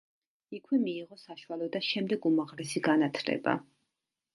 იქვე მიიღო საშუალო და შემდეგ უმაღლესი განათლება.